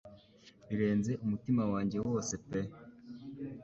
birenze umutima wanjye wose pe